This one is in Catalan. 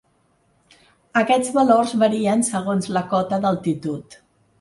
Aquests valors varien segons la cota d'altitud.